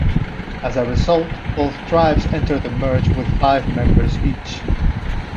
As a result, both tribes entered the merge with five members each.